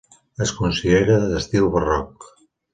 Es considera d'estil barroc.